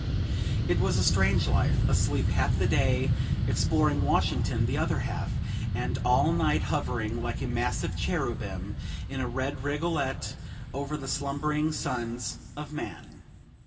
It was a strange life asleep half the day, exploring Washington the other half, and all night hovering, like a massive cherubim, in a red rigolette, over the slumbering sons of man.